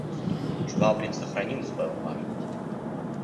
Швабрин сохранил свою важность.